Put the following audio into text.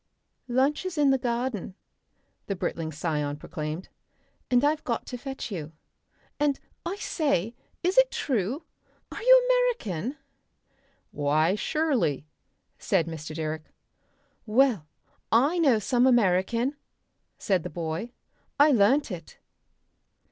"Lunch is in the garden," the Britling scion proclaimed, "and I've got to fetch you. And, I say! is it true? Are you American?" "Why surely," said Mr. Direck. "Well, I know some American," said the boy. "I learnt it."